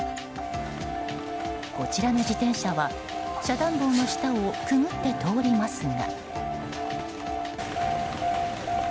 こちらの自転車は遮断棒の下をくぐって通りますが。